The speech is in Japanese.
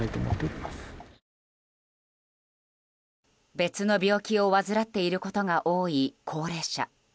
別の病気を患っていることが多い高齢者。